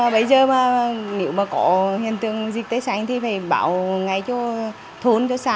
bây giờ nếu có hiện tượng dịch tai xanh thì phải bảo ngay cho thôn xã